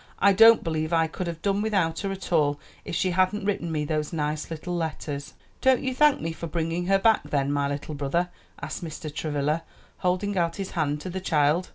"I don't believe I could have done without her at all if she hadn't written me those nice little letters." "Don't you thank me for bringing her back then, my little brother?" asked Mr. Travilla, holding out his hand to the child.